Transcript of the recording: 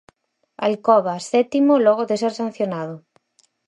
Alcoba, sétimo, logo de ser sancionado.